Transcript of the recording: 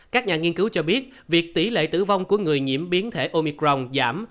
các nhà nghiên cứu cho biết việc tỷ lệ tử vong của người nhiễm biến thể omicron giảm